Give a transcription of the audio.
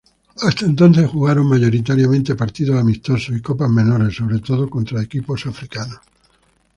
Hasta entonces, jugaron mayoritariamente partidos amistosos y copas menores, sobre todo contra equipos africanos.